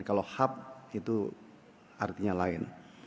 kalau hub itu artinya lain